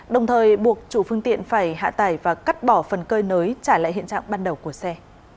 đồng thời buộc chủ phương tiện phải hạ tải và cắt bỏ phần cơi nới trả lại hiện trạng ban đầu của xe